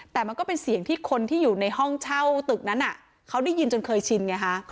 แต่มันก็เป็นเสียงที่คนที่อยู่ในห้องเช่าตึกนั้นเขาได้ยินจนเคยชินไงฮะ